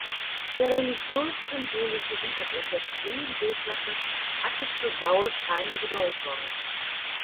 Der religiös-symbolische Hintergrund der frühen Bildwerke hatte für Gaul keine Bedeutung.